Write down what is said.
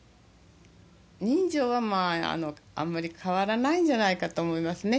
人情はあんまり変わらないんじゃないかと思いますね。